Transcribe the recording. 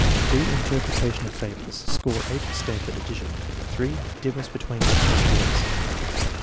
!& Interpretation of fables. (Score 8,) (Stanford addition.) 3. Difference between abstract words.